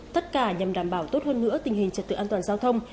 tất cả nhằm đảm bảo tốt hơn nữa tình hình trật tự an toàn giao thông